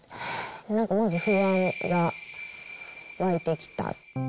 なんかまず不安が湧いてきた。